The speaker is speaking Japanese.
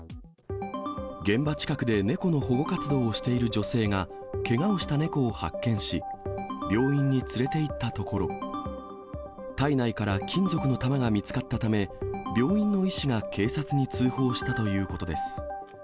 現場近くで猫の保護活動をしている女性が、けがをした猫を発見し、病院に連れていったところ、体内から金属の弾が見つかったため、病院の医師が警察に通報したということです。